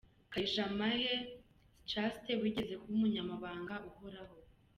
Kayijamahe Schaste wigeze kuba Umunyamabanga Uhoraho.